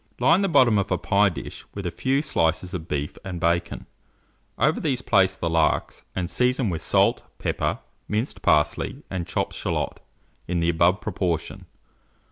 Line the bottom of a pie dish with a few slices of beef and bacon; over these place the larks, and season with salt, pepper, minced parsley, and chopped shalot, in the above proportion.